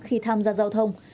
khi tham gia giao thông